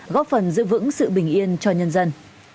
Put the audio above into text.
góp phần giữ vững sự bình yên cho nhân dân